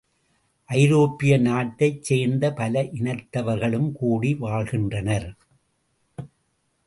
ஐரோப்பிய நாட்டைச் சேர்ந்த பல இனத்தவர்களும் கூடி வாழ்கின்றனர்!